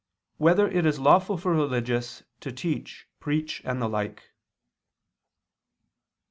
1] Whether It Is Lawful for Religious to Teach, Preach, and the Like?